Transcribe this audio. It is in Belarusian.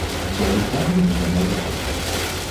Я і сам гэтага не ведаю.